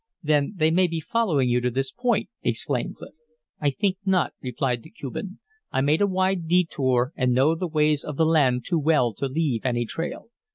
"Then they may be following you to this point," exclaimed Clif. "I think not," replied the Cuban. "I made a wide detour and know the ways of the land too well to leave any trail."